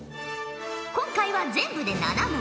今回は全部で７問。